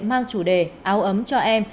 mang chủ đề áo ấm cho em